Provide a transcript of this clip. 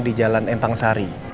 di jalan empang sari